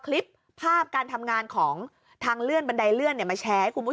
คลิปภาพการทำงานของทางเลื่อนบันไดเลื่อนมาแชร์ให้คุณผู้ชม